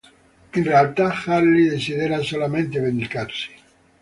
In realtà Harley desidera solamente vendicarsi.